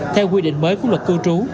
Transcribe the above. theo quy định mới của luật cư trú